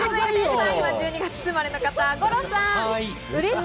３位は１２月生まれの方、五郎さん。